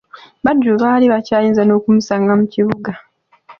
Badru baali bakyayinza n'okumusanga mu kibuga.